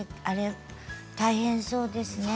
大変そうですね。